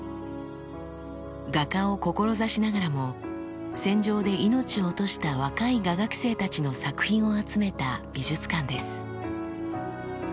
画家を志しながらも戦場で命を落とした若い画学生たちの作品を集めた美術館です。